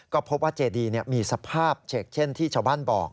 ก็พบว่าเจดีมีสภาพเฉกเช่นที่ชาวบ้านบอก